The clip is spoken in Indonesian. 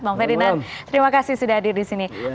bang ferdinand terima kasih